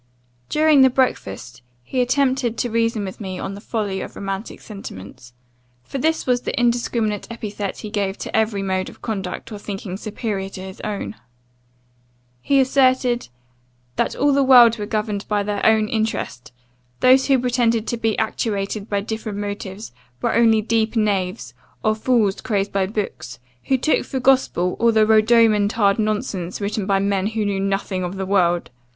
"During the breakfast, he attempted to reason with me on the folly of romantic sentiments; for this was the indiscriminate epithet he gave to every mode of conduct or thinking superior to his own. He asserted, 'that all the world were governed by their own interest; those who pretended to be actuated by different motives, were only deeper knaves, or fools crazed by books, who took for gospel all the rodomantade nonsense written by men who knew nothing of the world.